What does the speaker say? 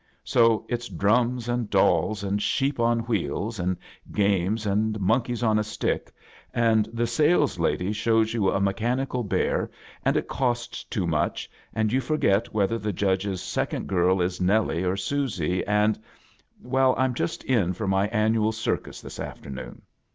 So it's drums, and dolls, and sheep on ^hfels', arid games, and monkeys on a'.stisj^' ai^the irfa^ady shows you a mecha'iuc^ bear, and'/fK^sts too much, .'and you forget whether tfe 'Judge's second . giil'iS Nellie or Susie, and — well, I'm just •ia ipX my annual circtte' this afternoon!